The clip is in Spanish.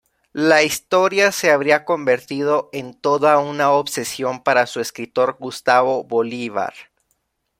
La historia se habría convertido en toda una obsesión para su escritor Gustavo Bolívar.